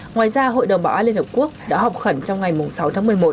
ngoài ra hội đồng bảo án liên hợp quốc đã học khẩn trong ngày sáu tháng một mươi một